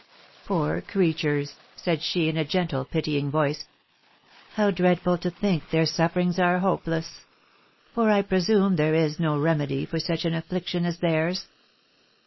"Poor creatures!" said she, in a gentle, pitying voice; "how dreadful to think their sufferings are hopeless! for I presume there is no remedy for such an affliction as theirs?"